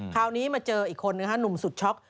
คราวนี้มาเจออีกคนนึงนะฮะหนุ่มสุดช็อก